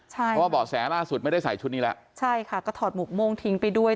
เพราะว่าเบาะแสล่าสุดไม่ได้ใส่ชุดนี้แล้วใช่ค่ะก็ถอดหมกม่วงทิ้งไปด้วย